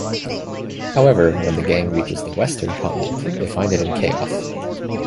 However, when the gang reaches the western continent, they find it in chaos.